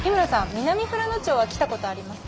南富良野町は来たことありますか？